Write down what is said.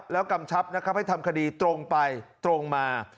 แล้วกำชับนะครับให้ทำคดีตรงไปตรงมา